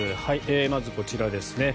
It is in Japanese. まずこちらです。